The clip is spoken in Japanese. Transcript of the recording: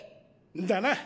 だな！